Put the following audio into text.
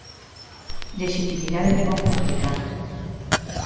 Lexitimidade democrática.